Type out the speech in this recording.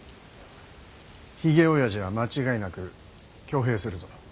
ひげおやじは間違いなく挙兵するぞ。